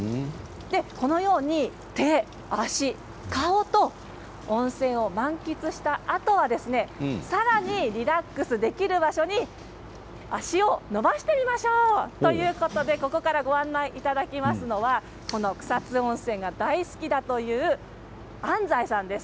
このように手、足、顔と温泉を満喫したあとはさらにリラックスできる場所に足を伸ばしてみましょう。ということで、ここからご案内いただきますのは草津温泉が大好きだという安斉さんです